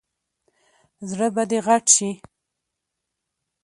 زړه به دې غټ شي !